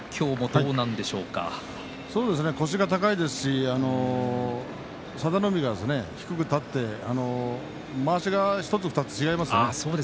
そうですね竜電は腰が高いですし佐田の海が低く立ってまわしが１つ２つ違いますよね。